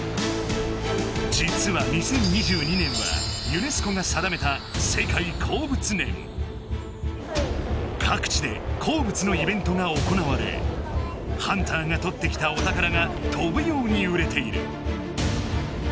じつは２０２２年はユネスコがさだめた各地で鉱物のイベントがおこなわれハンターが採ってきたお宝がとぶように売れている。